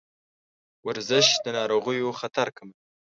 ورزش د ناروغیو خطر کموي.